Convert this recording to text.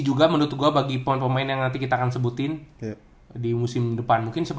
juga menurut gue bagi pemain pemain yang nanti kita akan sebutin di musim depan mungkin